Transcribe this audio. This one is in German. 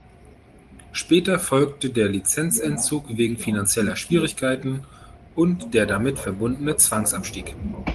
Später folgte der Lizenzentzug wegen finanzieller Schwierigkeiten und der damit verbundene Zwangsabstieg.